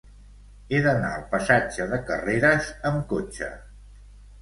He d'anar al passatge de Carreras amb cotxe.